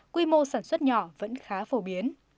quy mô sản xuất nhỏ vẫn khá phổ biến